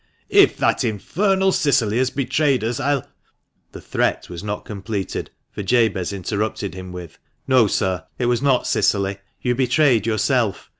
"If that infernal Cicily has betrayed us, I'll " The threat was not completed, for Jabez interrupted him with —" No, sir, it was not Cicily. You betrayed yourself.